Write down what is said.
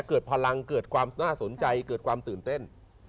เกิดพลังเกิดความน่าสนใจเกิดความตื่นเต้น